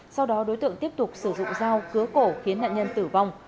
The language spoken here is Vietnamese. sau đó đối tượng tiếp tục sử dụng dao cứa cổ khiến nạn nhân tử vong